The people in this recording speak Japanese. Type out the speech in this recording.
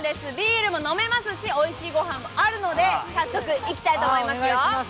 ビールも飲めますしおいしいご飯もあるので早速行きたいと思いますよ。